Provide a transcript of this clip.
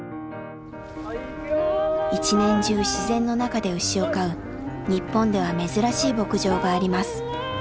一年中自然の中で牛を飼う日本では珍しい牧場があります。